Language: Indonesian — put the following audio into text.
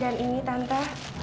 dan ini tante